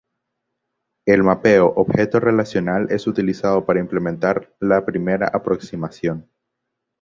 El mapeo objeto-relacional es utilizado para implementar la primera aproximación.